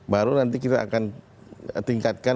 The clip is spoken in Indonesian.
baru nanti kita akan tingkatkan